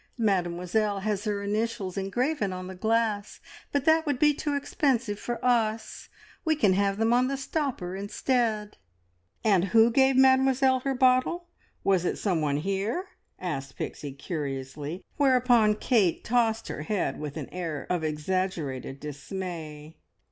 Mademoiselle has her initials engraven on the glass, but that would be too expensive for us. We can have them on the stopper instead." "And who gave Mademoiselle her bottle? Was it someone here?" asked Pixie curiously, whereupon Kate tossed her head with an air of exaggerated dismay.